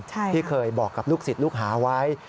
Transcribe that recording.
ที่เคยบอกกับลูกศิษย์ลูกหาไว้